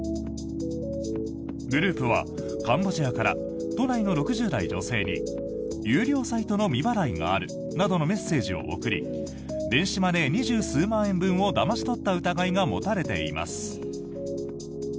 グループは、カンボジアから都内の６０代女性に有料サイトの未払いがあるなどのメッセージを送り電子マネー２０数万円分をだまし取った疑いが持たれています。